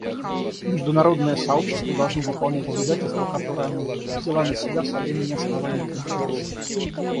Международное сообщество должно выполнить обязательства, которые оно взяло на себя со времени основания Организации.